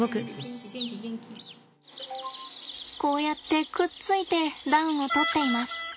こうやってくっついて暖をとっています。